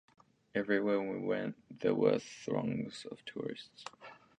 Everywhere we went, there were throngs of tourists.